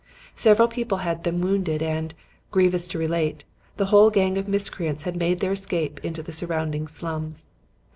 Several people had been wounded and, grievous to relate, the whole gang of miscreants had made their escape into the surrounding slums.